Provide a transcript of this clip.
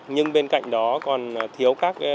nhưng bên cạnh đó còn thiếu các ghế ngồi